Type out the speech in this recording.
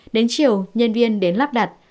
đến chiều nhân viên đến lắp đặt